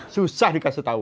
susah dikasih tau